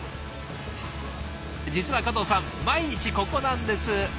実は加藤さん毎日ここなんです。